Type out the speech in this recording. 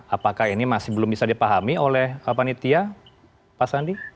apakah ini masih belum bisa dipahami oleh panitia pak sandi